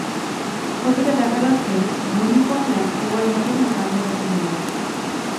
ছবিতে দেখা যাচ্ছে, ধোনি-কন্যা একটি মোবাইল হাতে নিয়ে কানের পাশে ধরে আছে।